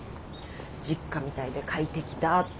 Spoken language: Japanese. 実家みたいで快適だって。